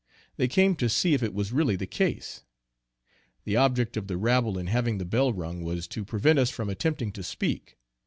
They came to see if it was really the case. The object of the rabble in having the bell rung was, to prevent us from attempting to speak.